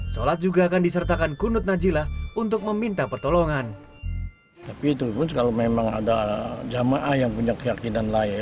solat juga akan disertakan kunud najilah untuk meminta pertolongan